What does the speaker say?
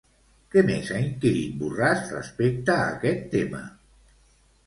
Què més ha inquirit Borràs respecte a aquest tema?